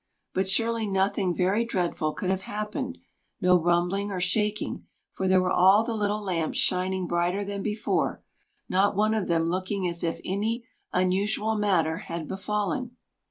But surely nothing very dreadful could have happened no rumbling or shaking, for there were all the little lamps shining brighter than before, not one of them looking as if any unusual matter had befallen.